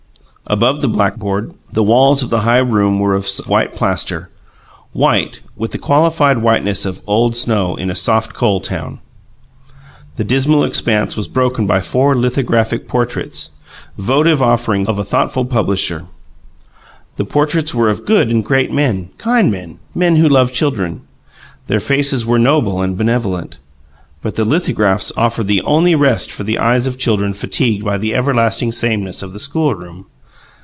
Above the blackboard, the walls of the high room were of white plaster white with the qualified whiteness of old snow in a soft coal town. This dismal expanse was broken by four lithographic portraits, votive offerings of a thoughtful publisher. The portraits were of good and great men, kind men; men who loved children. Their faces were noble and benevolent. But the lithographs offered the only rest for the eyes of children fatigued by the everlasting sameness of the schoolroom.